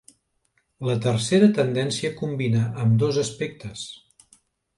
La tercera tendència combina ambdós aspectes.